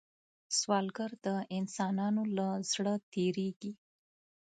سوالګر د انسانانو له زړه تېرېږي